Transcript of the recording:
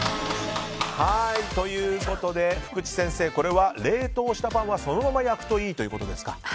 福地先生、これは冷凍したパンはそのまま焼くといいということですか。